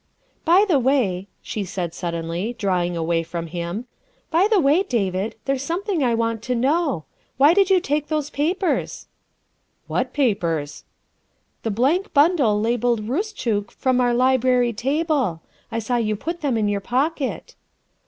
" By the way," she said suddenly, drawing away from 352 THE WIFE OF him, " by the way, David, there's something I want to know. Why did you take those papers?" " What papers?" " The blank bundle labelled ' Roostchook' from our library table. I saw you put them in your pocket.